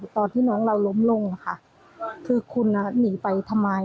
ตอนที่น้องเราล้มลงค่ะคือคุณหนีไปทำไม